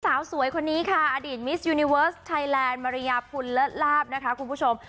สาวสวยคนนี้ค่ะอดีตมิสยูนิเวิร์สไทยแลนด์มาริยาพุนเลิศลาบนะคะคุณผู้ชม